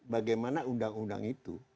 bagaimana undang undang itu